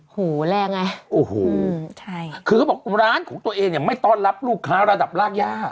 โหแรงไงโอ้โหใช่คือเขาบอกร้านของตัวเองเนี่ยไม่ต้อนรับลูกค้าระดับรากย่า